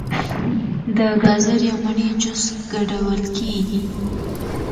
د ګازرې او مڼې جوس ګډول کیږي.